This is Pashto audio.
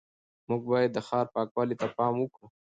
موږ باید د ښار پاکوالي ته پام وکړو